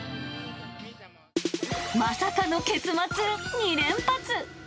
まさかの結末２連発！